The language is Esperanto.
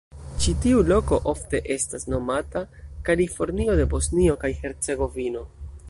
Ĉi tiu loko ofte estas nomata "Kalifornio de Bosnio kaj Hercegovino".